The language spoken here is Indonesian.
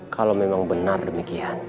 kalau memang benar demikian